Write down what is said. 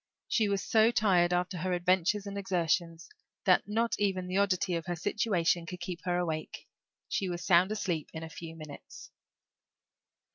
She was so tired, after her adventures and exertions, that not even the oddity of her situation could keep her awake; she was sound asleep in a few minutes.